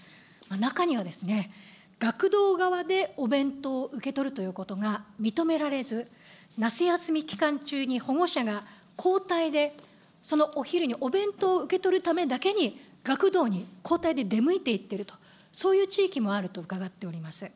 中には、学童側でお弁当を受け取るということが認められず、夏休み期間中に保護者が交代でそのお昼にお弁当を受け取るためだけに、学童に交代で出向いていっていると、そういう地域もあると伺っております。